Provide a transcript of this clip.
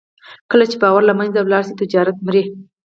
کله چې باور له منځه ولاړ شي، تجارت مري.